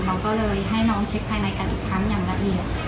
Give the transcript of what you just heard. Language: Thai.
เราก็เลยให้น้องเช็คภายในกันอีกครั้งอย่างละเอียด